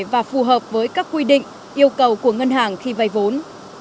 và phù hợp với các quy định yêu cầu của ngân hàng khi vay vốn